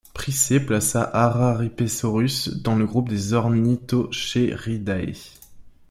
Price plaça Araripesaurus dans le groupe des ornithocheiridae.